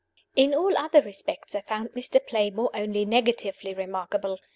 In all other respects I found Mr. Playmore only negatively remarkable.